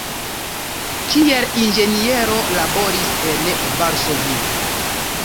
Kiel inĝeniero laboris en Varsovio.